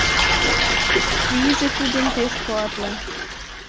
Вийже тудын пеш куатле!